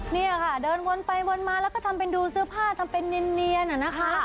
เนี่ยค่ะเดินวนไปวนมาแล้วก็ทำเป็นดูเสื้อผ้าทำเป็นเนียนนะคะ